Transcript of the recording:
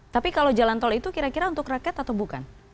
tapi kalau jalan tol itu kira kira untuk rakyat atau bukan